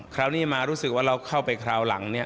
คราวนี้มารู้สึกว่าเราเข้าไปคราวหลังเนี่ย